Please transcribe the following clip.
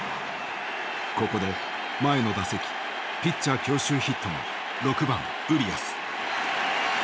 ここで前の打席ピッチャー強襲ヒットの６番ウリアス。